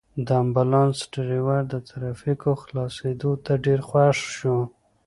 د امبولانس ډرېور د ترافیکو خلاصېدو ته ډېر خوښ شو.